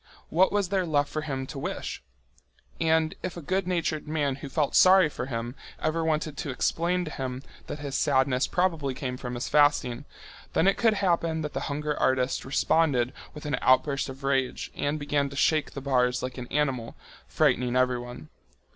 What was there left for him to wish for? And if a good natured man who felt sorry for him ever wanted to explain to him that his sadness probably came from his fasting, then it could happen that the hunger artist responded with an outburst of rage and began to shake the bars like an animal, frightening everyone.